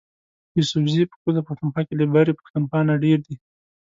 یوسفزي په کوزه پښتونخوا کی له برۍ پښتونخوا نه ډیر دي